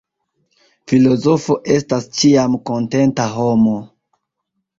Filozofo estas ĉiam kontenta homo.